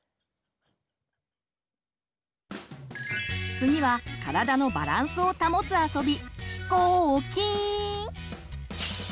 次は体のバランスを保つあそび